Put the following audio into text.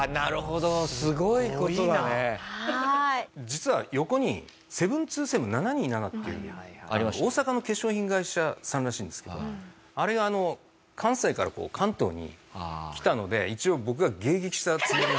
実は横にセブンツーセブン７２７っていう大阪の化粧品会社さんらしいんですけどあれがあの関西から関東に来たので一応僕が迎撃したつもり。